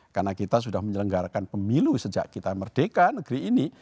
karena kita sudah menyelenggarakan pemilu sejak kita merdeka negeri ini